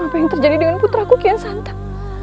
apa yang terjadi dengan putraku kian santap